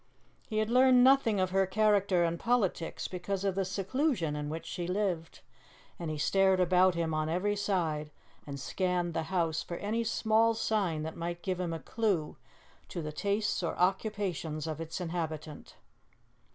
He had learned nothing of her character and politics because of the seclusion in which she lived, and he stared about him on every side and scanned the house for any small sign that might give him a clue to the tastes or occupations of its inhabitant.